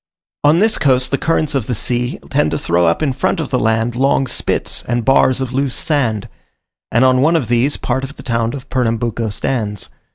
On this coast the currents of the sea tend to throw up in front of the land, long spits and bars of loose sand, and on one of these, part of the town of Pernambuco stands.